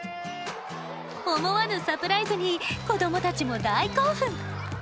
思わぬサプライズに子どもたちも大興奮。